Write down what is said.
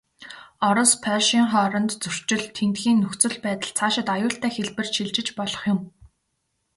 Орос, Польшийн хоорондын зөрчил, тэндхийн нөхцөл байдал, цаашид аюултай хэлбэрт шилжиж болох юм.